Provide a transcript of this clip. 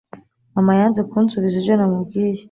mama yanze kunsubiza ibyo namubwiye